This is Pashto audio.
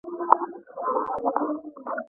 سپوږمکۍ په کورونو کې شته.